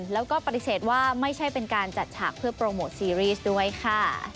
แล้วก็ปฏิเสธว่าไม่ใช่เป็นการจัดฉากเพื่อโปรโมทซีรีส์ด้วยค่ะ